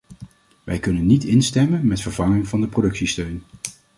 Wij kunnen niet instemmen met vervanging van de productiesteun.